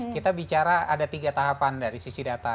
kita bicara ada tiga tahapan dari sisi data